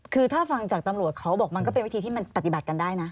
คือถ้าฟังจากตำรวจเขาบอกมันก็เป็นวิธีที่มันปฏิบัติกันได้นะ